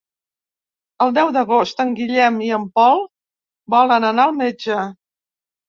El deu d'agost en Guillem i en Pol volen anar al metge.